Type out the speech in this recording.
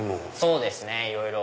そうですねいろいろ。